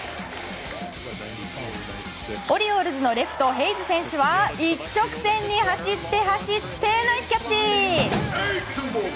オリオールズのレフトヘイズ選手は一直線に走って、走ってナイスキャッチ！